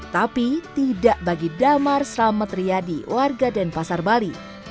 tapi tidak bagi damar srametriadi warga dan pasar bali